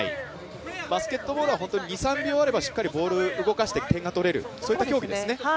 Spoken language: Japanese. バスケットボールは２３秒あればしっかり動かして点を取れるそういった競技ですね。